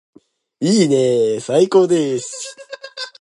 いいねーー最高です